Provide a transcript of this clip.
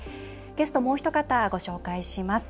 げすと、もうひと方ご紹介します。